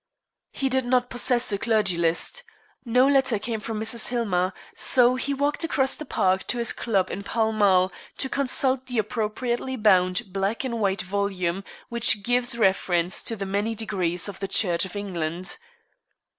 He did not possess a Clergy List. No letter came from Mrs. Hillmer, so he walked across the Park to his club in Pall Mall to consult the appropriately bound black and white volume which gives reference to the many degrees of the Church of England.